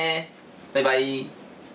バイバイ。